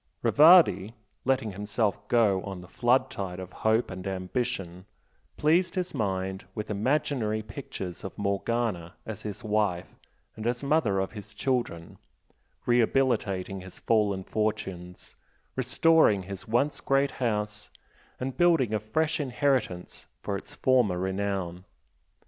Rivardi, letting himself go on the flood tide of hope and ambition, pleased his mind with imaginary pictures of Morgana as his wife and as mother of his children, rehabilitating his fallen fortunes, restoring his once great house and building a fresh inheritance for its former renown.